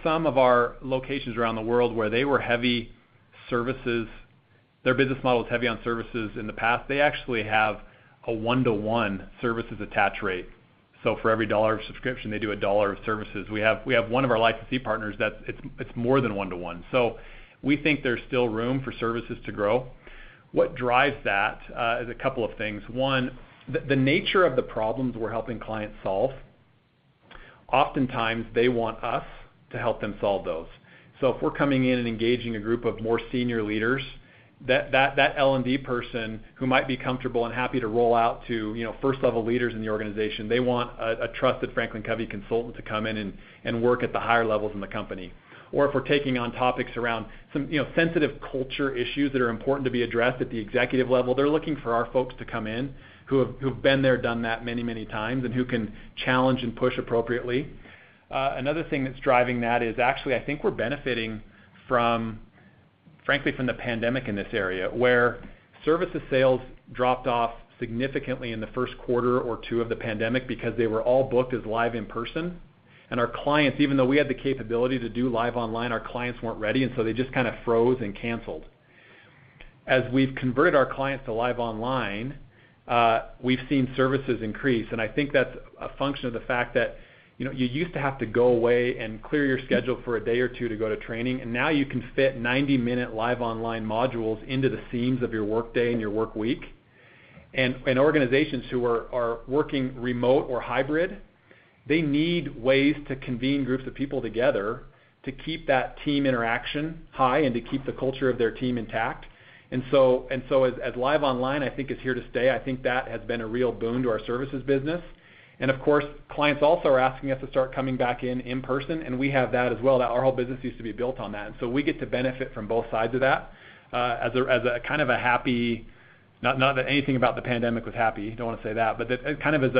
some of our locations around the world where they were heavy on services. Their business model is heavy on services in the past. They actually have a 1:1 services attach rate. So for every $1 of subscription, they do $1 of services. We have one of our licensee partners that it's more than 1:1. So we think there's still room for services to grow. What drives that is a couple of things. One, the nature of the problems we're helping clients solve, oftentimes they want us to help them solve those. If we're coming in and engaging a group of more senior leaders, that L&D person who might be comfortable and happy to roll out to, you know, first-level leaders in the organization, they want a trusted FranklinCovey consultant to come in and work at the higher levels in the company. Or if we're taking on topics around some, you know, sensitive culture issues that are important to be addressed at the executive level, they're looking for our folks to come in who've been there, done that many, many times and who can challenge and push appropriately. Another thing that's driving that is actually I think we're benefiting, frankly, from the pandemic in this area, where services sales dropped off significantly in the first quarter or two of the pandemic because they were all booked as live in person. Our clients, even though we had the capability to do live online, our clients weren't ready, and so they just kind of froze and canceled. As we've converted our clients to live online, we've seen services increase, and I think that's a function of the fact that, you know, you used to have to go away and clear your schedule for a day or two to go to training, and now you can fit 90-minute live online modules into the seams of your workday and your work week. Organizations who are working remote or hybrid, they need ways to convene groups of people together to keep that team interaction high and to keep the culture of their team intact. As live online I think is here to stay, I think that has been a real boon to our services business. Of course, clients also are asking us to start coming back in person, and we have that as well. That our whole business used to be built on that. We get to benefit from both sides of that, as a kind of a happy outcome, not that anything about the pandemic was happy, don't want to say that, but it kind of is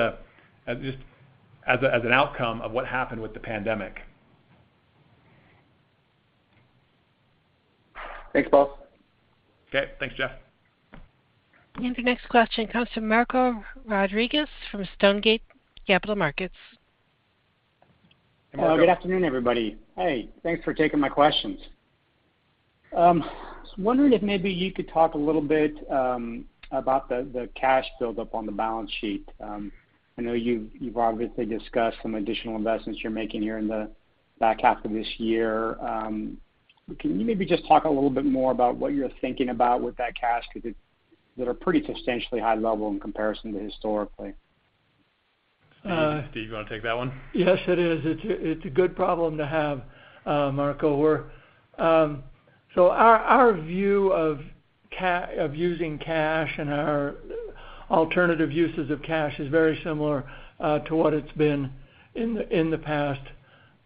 as an outcome of what happened with the pandemic. Thanks, Paul. Okay. Thanks, Jeff. The next question comes from Marco Rodriguez from Stonegate Capital Markets. Hi, Marco. Good afternoon, everybody. Hey, thanks for taking my questions. I was wondering if maybe you could talk a little bit about the cash build up on the balance sheet. I know you've obviously discussed some additional investments you're making here in the back half of this year. Can you maybe just talk a little bit more about what you're thinking about with that cash because they're pretty substantially high level in comparison to historically. Steve, you wanna take that one? Yes, it is. It's a good problem to have, Marco. Our view of using cash and our alternative uses of cash is very similar to what it's been in the past,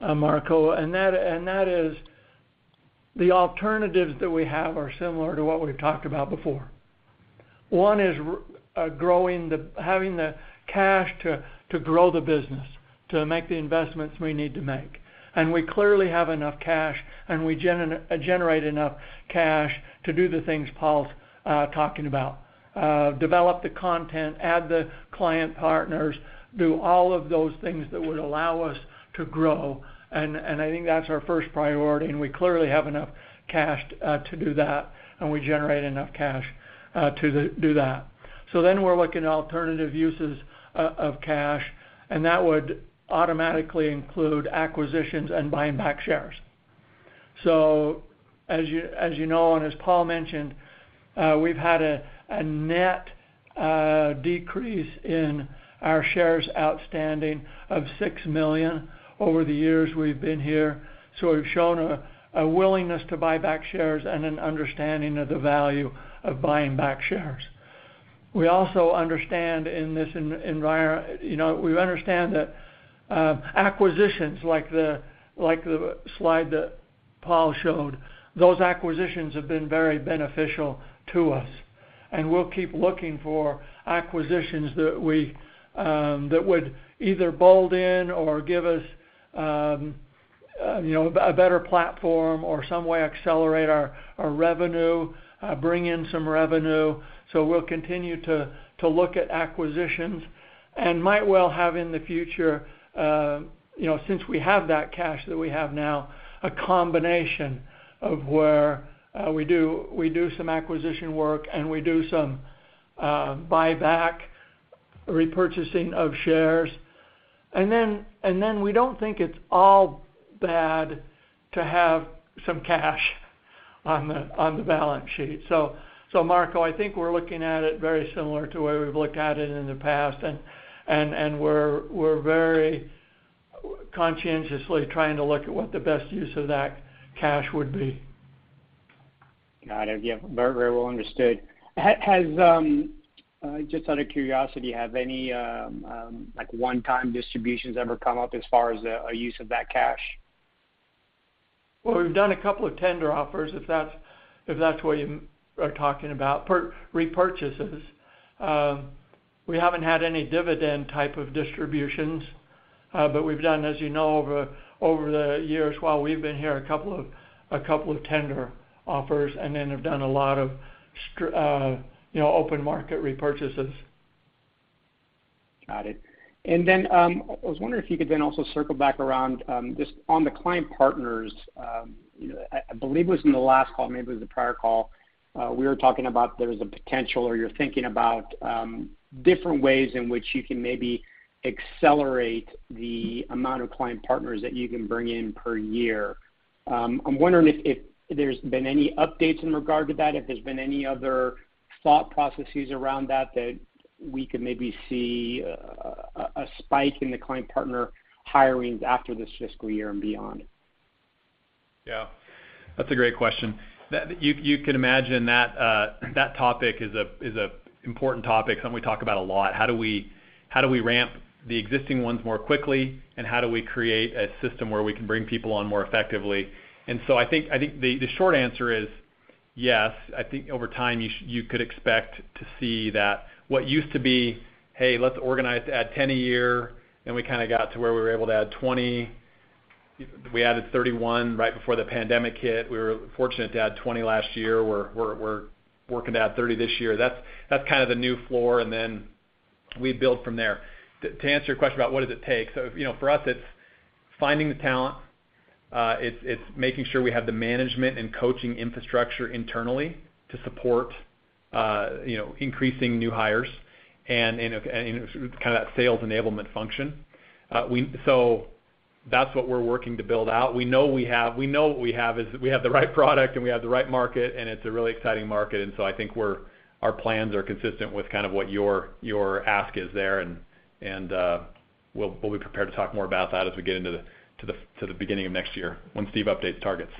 Marco. That is the alternatives that we have are similar to what we've talked about before. One is having the cash to grow the business, to make the investments we need to make. We clearly have enough cash, and we generate enough cash to do the things Paul's talking about, develop the content, add the client partners, do all of those things that would allow us to grow. I think that's our first priority, and we clearly have enough cash to do that, and we generate enough cash to do that. We're looking at alternative uses of cash, and that would automatically include acquisitions and buying back shares. As you know, and as Paul mentioned, we've had a net decrease in our shares outstanding of 6 million over the years we've been here. We've shown a willingness to buy back shares and an understanding of the value of buying back shares. We also understand in this environment, you know, we understand that acquisitions like the slide that Paul showed, those acquisitions have been very beneficial to us. We'll keep looking for acquisitions that would either bolt on or give us, you know, a better platform or some way accelerate our revenue, bring in some revenue. We'll continue to look at acquisitions and might well have in the future, you know, since we have that cash that we have now, a combination of where we do some acquisition work and we do some buyback repurchasing of shares. We don't think it's all bad to have some cash on the balance sheet. Marco, I think we're looking at it very similar to the way we've looked at it in the past, and we're very conscientiously trying to look at what the best use of that cash would be. Got it. Yeah. Very well understood. Just out of curiosity, have any like one-time distributions ever come up as far as a use of that cash? Well, we've done a couple of tender offers, if that's what you are talking about, repurchases. We haven't had any dividend type of distributions. We've done, as you know, over the years while we've been here, a couple of tender offers and then have done a lot of, you know, open market repurchases. Got it. Then, I was wondering if you could then also circle back around, just on the client partners. You know, I believe it was in the last call, maybe it was the prior call, we were talking about there was a potential or you're thinking about, different ways in which you can maybe accelerate the amount of client partners that you can bring in per year. I'm wondering if there's been any updates in regard to that, if there's been any other thought processes around that we could maybe see a spike in the client partner hirings after this fiscal year and beyond. Yeah, that's a great question. You can imagine that that topic is an important topic, something we talk about a lot. How do we ramp the existing ones more quickly, and how do we create a system where we can bring people on more effectively? I think the short answer is yes. I think over time, you could expect to see that what used to be, "Hey, let's organize to add 10 a year," then we kinda got to where we were able to add 20. We added 31 right before the pandemic hit. We were fortunate to add 20 last year. We're working to add 30 this year. That's kind of the new floor, and then we build from there. To answer your question about what does it take. You know, for us, it's finding the talent. It's making sure we have the management and coaching infrastructure internally to support, you know, increasing new hires and kind of that sales enablement function. That's what we're working to build out. We know what we have is we have the right product, and we have the right market, and it's a really exciting market. I think our plans are consistent with kind of what your ask is there and we'll be prepared to talk more about that as we get into the beginning of next year when Steve updates targets.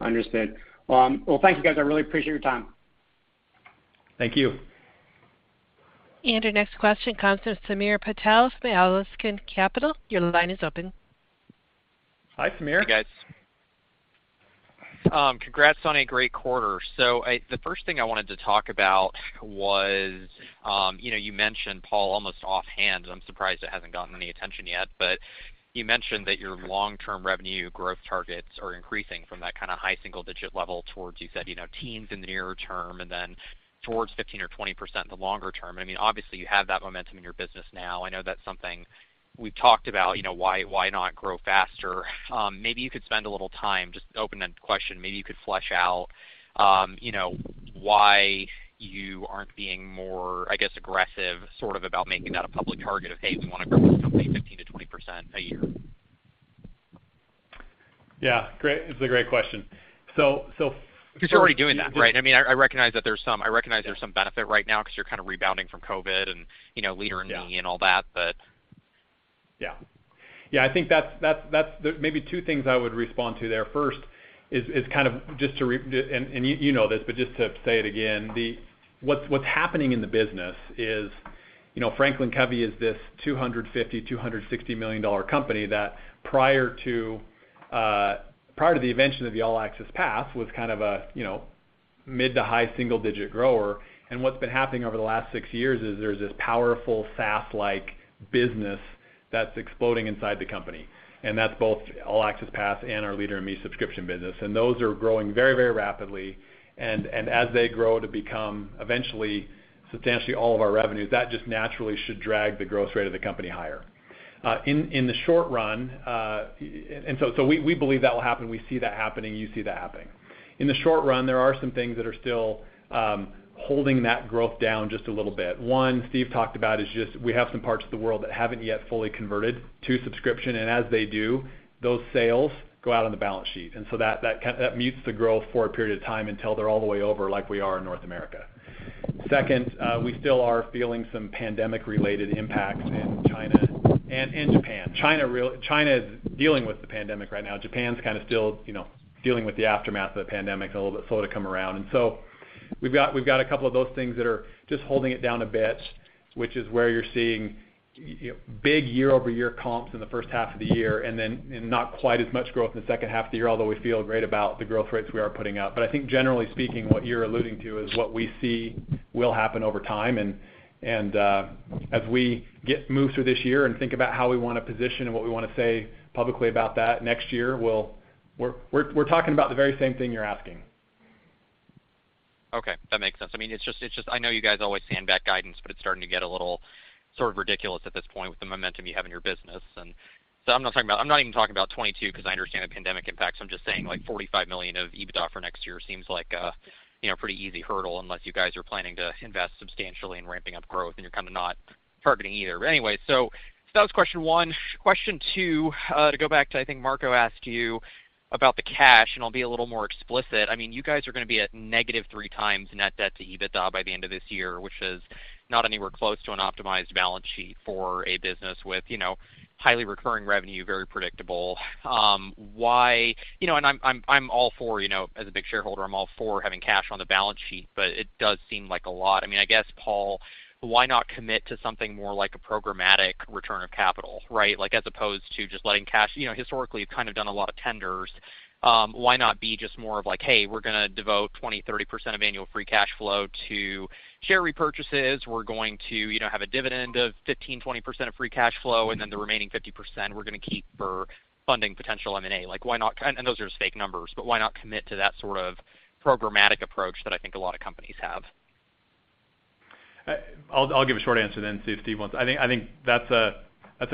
Understood. Well, thank you, guys. I really appreciate your time. Thank you. Our next question comes from Samir Patel from Askeladden Capital. Your line is open. Hi, Samir. Hey, guys. Congrats on a great quarter. The first thing I wanted to talk about was, you know, you mentioned, Paul, almost offhand. I'm surprised it hasn't gotten any attention yet, but you mentioned that your long-term revenue growth targets are increasing from that kind of high single-digit level towards, you said, you know, teens in the nearer term and then towards 15% or 20% in the longer term. I mean, obviously, you have that momentum in your business now. I know that's something we've talked about, you know, why not grow faster? Maybe you could spend a little time just open-ended question. Maybe you could flesh out, you know, why you aren't being more, I guess, aggressive, sort of about making that a public target of, hey, we wanna grow this company 15%-20% a year. Yeah. Great. It's a great question. You're already doing that, right? I mean, I recognize there's some benefit right now 'cause you're kind of rebounding from COVID and, you know, Leader in Me and all that, but. Yeah. Yeah, I think that's. Maybe two things I would respond to there. First, you know this, but just to say it again, what's happening in the business is, you know, FranklinCovey is this $250-$260 million company that prior to the invention of the All Access Pass was kind of a, you know, mid- to high-single-digit grower. What's been happening over the last six years is there's this powerful SaaS-like business that's exploding inside the company, and that's both All Access Pass and our Leader in Me subscription business. Those are growing very, very rapidly. As they grow to become eventually substantially all of our revenues, that just naturally should drag the growth rate of the company higher. In the short run, we believe that will happen. We see that happening. You see that happening. In the short run, there are some things that are still holding that growth down just a little bit. One, Steve talked about is just we have some parts of the world that haven't yet fully converted to subscription, and as they do, those sales go out on the balance sheet. That kind of mutes the growth for a period of time until they're all the way over like we are in North America. Second, we still are feeling some pandemic-related impacts in China and in Japan. China is dealing with the pandemic right now. Japan's kinda still, you know, dealing with the aftermath of the pandemic a little bit slow to come around. We've got a couple of those things that are just holding it down a bit, which is where you're seeing big year-over-year comps in the first half of the year and then and not quite as much growth in the second half of the year, although we feel great about the growth rates we are putting up. I think generally speaking, what you're alluding to is what we see will happen over time. As we move through this year and think about how we wanna position and what we wanna say publicly about that next year, we're talking about the very same thing you're asking. Okay. That makes sense. I mean, it's just I know you guys always sandbag guidance, but it's starting to get a little sort of ridiculous at this point with the momentum you have in your business. I'm not talking about. I'm not even talking about 2022 'cause I understand the pandemic impact. I'm just saying, like, $45 million of EBITDA for next year seems like a, you know, pretty easy hurdle unless you guys are planning to invest substantially in ramping up growth and you're kind of not targeting either. Anyway, so that was question one. Question two, to go back to I think Marco asked you about the cash, and I'll be a little more explicit. I mean, you guys are gonna be at -3x net debt to EBITDA by the end of this year, which is not anywhere close to an optimized balance sheet for a business with, you know, highly recurring revenue, very predictable. You know, and I'm all for, you know, as a big shareholder, I'm all for having cash on the balance sheet, but it does seem like a lot. I mean, I guess, Paul, why not commit to something more like a programmatic return of capital, right? Like, as opposed to just letting cash you know, historically, you've kind of done a lot of tenders. Why not be just more of like, "Hey, we're gonna devote 20%, 30% of annual free cash flow to share repurchases"? We're going to, you know, have a dividend of 15%-20% of free cash flow, and then the remaining 50% we're gonna keep for funding potential M&A. Like, why not? Those are just fake numbers, but why not commit to that sort of programmatic approach that I think a lot of companies have? I'll give a short answer then see if Steve wants. I think that's a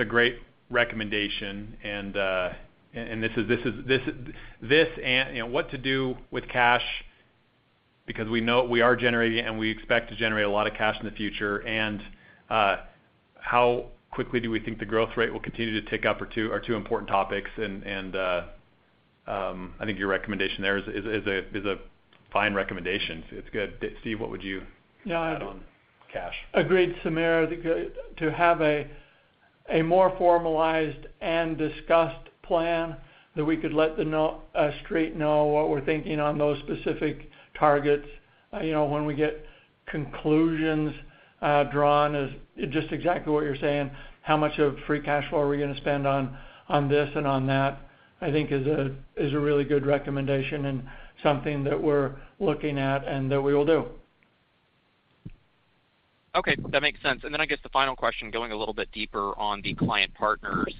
great recommendation. This and, you know, what to do with cash because we know we are generating and we expect to generate a lot of cash in the future. How quickly do we think the growth rate will continue to tick up are two important topics. I think your recommendation there is a fine recommendation. It's good. Steve, what would you add-on cash? Agreed, Samir. I think to have a more formalized and discussed plan that we could let the Street know what we're thinking on those specific targets, you know, when we get conclusions drawn is just exactly what you're saying. How much of free cash flow are we gonna spend on this and on that, I think, is a really good recommendation and something that we're looking at and that we will do. Okay, that makes sense. I guess the final question, going a little bit deeper on the client partners.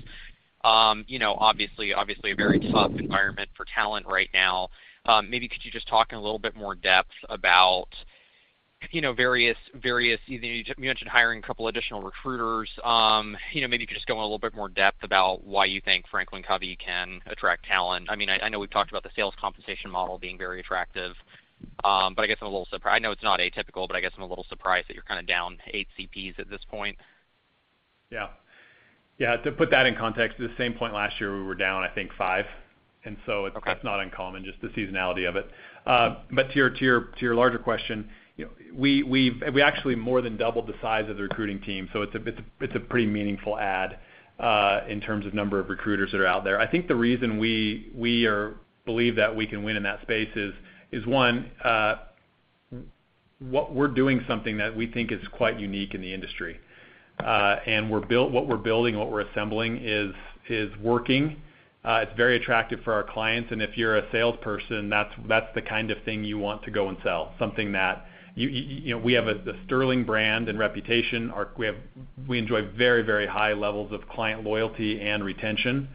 You know, obviously a very tough environment for talent right now. Maybe you could just talk in a little bit more depth about, you know, various. You mentioned hiring a couple additional recruiters. You know, maybe you could just go in a little bit more depth about why you think FranklinCovey can attract talent. I mean, I know we've talked about the sales compensation model being very attractive, but I know it's not atypical, but I guess I'm a little surprised that you're kind of down eight CPs at this point. Yeah. To put that in context, at the same point last year, we were down, I think, 5%. Okay. That's not uncommon, just the seasonality of it. To your larger question, you know, we actually more than doubled the size of the recruiting team. It's a pretty meaningful add in terms of number of recruiters that are out there. I think the reason we believe that we can win in that space is one. We're doing something that we think is quite unique in the industry. What we're building, what we're assembling is working. It's very attractive for our clients. If you're a salesperson, that's the kind of thing you want to go and sell, you know, a sterling brand and reputation. We enjoy very, very high levels of client loyalty and retention.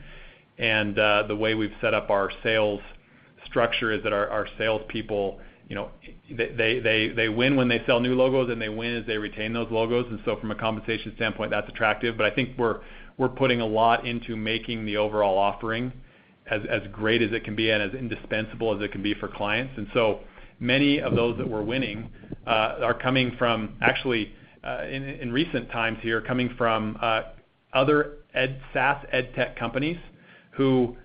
The way we've set up our sales structure is that our salespeople, you know, they win when they sell new logos, and they win as they retain those logos. From a compensation standpoint, that's attractive. I think we're putting a lot into making the overall offering as great as it can be and as indispensable as it can be for clients. Many of those that we're winning are actually, in recent times here, coming from other ed, SaaS EdTech companies who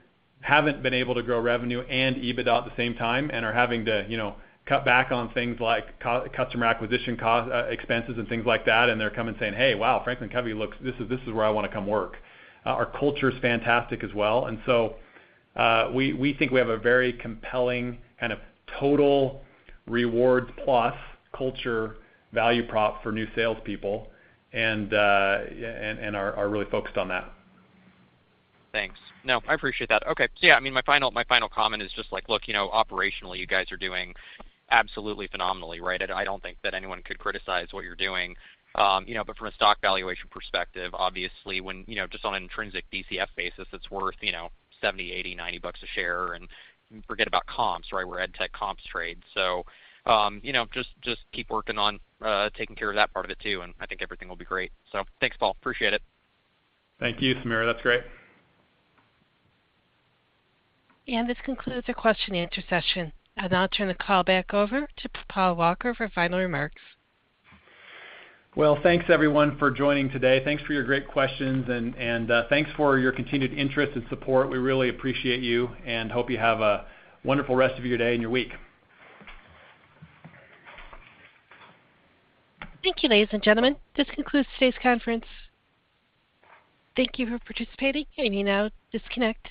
haven't been able to grow revenue and EBITDA at the same time and are having to, you know, cut back on things like customer acquisition costs and things like that, and they're coming saying, "Hey. Wow, FranklinCovey looks. This is where I wanna come work." Our culture is fantastic as well. We think we have a very compelling kind of total reward plus culture value prop for new salespeople and are really focused on that. Thanks. No, I appreciate that. Okay. Yeah, I mean, my final comment is just like, look, you know, operationally, you guys are doing absolutely phenomenally, right? I don't think that anyone could criticize what you're doing. You know, but from a stock valuation perspective, obviously, when, you know, just on an intrinsic DCF basis, it's worth, you know, $70, $80, $90 a share. Forget about comps, right? Where EdTech comps trade. You know, just keep working on taking care of that part of it too, and I think everything will be great. Thanks, Paul. Appreciate it. Thank you, Samir. That's great. This concludes the question and answer session. I'll now turn the call back over to Paul Walker for final remarks. Well, thanks everyone for joining today. Thanks for your great questions and thanks for your continued interest and support. We really appreciate you and hope you have a wonderful rest of your day and your week. Thank you, ladies and gentlemen. This concludes today's conference. Thank you for participating. You may now disconnect.